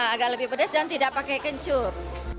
agak lebih pedas dan tidak pakai kencur